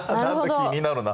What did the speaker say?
気になるな。